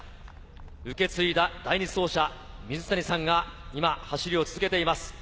受け継いだ第２走者・水谷さんが今、走りを続けています。